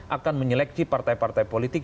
akan menyeleksi partai partai politik